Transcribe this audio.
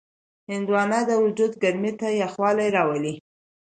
هندوانه د وجود ګرمۍ ته یخوالی راولي.